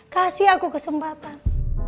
kasih aku kesempatan